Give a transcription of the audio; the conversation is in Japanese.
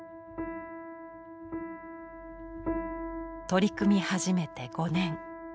取り組み始めて５年。